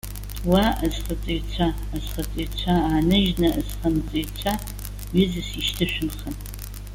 Уа, азхаҵаҩцәа! Азхаҵаҩцәа ааныжьны азхамҵаҩцәа ҩызас ишьҭышәымхын.